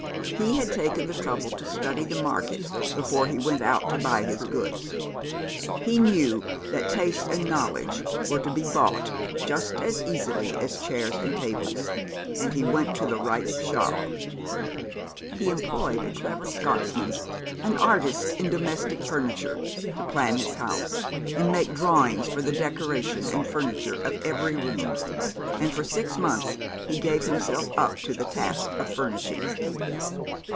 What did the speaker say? He had taken the trouble to study the market before he went out to buy his goods. He knew that taste and knowledge were to be bought just as easily as chairs and tables, and he went to the right shop. He employed a clever Scotchman, an artist in domestic furniture, to plan his house, and make drawings for the decoration and furniture of every room and for six months he gave himself up to the task of furnishing.